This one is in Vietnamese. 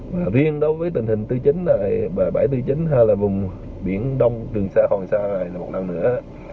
và riêng đối với tình hình tư chính này bãi tư chính hay là vùng biển đông trường xa hòn xa này là một lần nữa